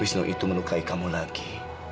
wisnu itu melukai kamu lagi